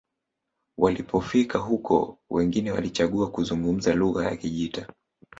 walipofika huko wengine walichagua kuzungumza lugha ya kijita